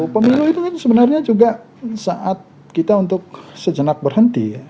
pemilu itu kan sebenarnya juga saat kita untuk sejenak berhenti ya